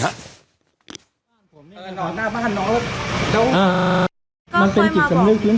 แล้วน้องตอบผมไหม